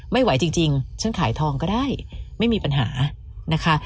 ไม่ไหวจริงฉันขายทองก็ได้ไม่มีปัญหานะคะ